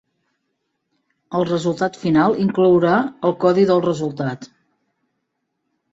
El resultat final inclourà el codi del resultat.